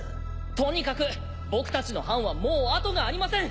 とにかく僕たちの班はもうあとがありません。